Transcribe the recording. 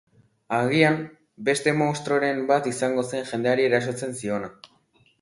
Agian, beste munstroren bat izango zen jendeari erasotzen ziona...